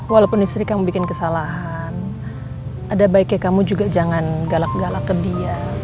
walaupun istri kamu bikin kesalahan ada baiknya kamu juga jangan galak galak ke dia